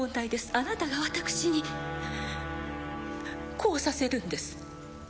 あなたが私にこうさせるんです